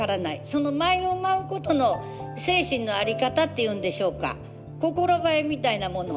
その舞を舞うことの精神の在り方っていうんでしょうか心ばえみたいなもの。